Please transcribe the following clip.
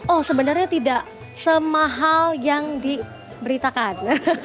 oh sebenarnya tidak semahal yang diberitakan